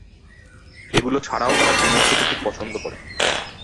এগুলো ছাড়াও তারা ডুমুর খেতে খুব পছন্দ করে।